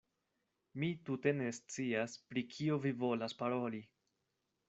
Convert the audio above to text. Mi tute ne scias, pri kio vi volas paroli.